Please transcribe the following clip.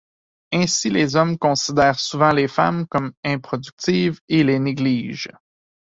Ainsi, les hommes considèrent souvent les femmes comme improductives et les négligent.